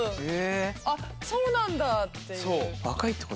あっそうなんだっていう。